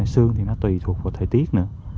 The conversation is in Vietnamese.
sương thì nó tùy thuộc vào thời tiết nữa